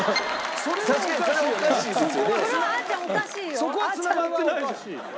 そこは繋がってない。